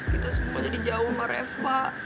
kita semua jadi jauh sama reva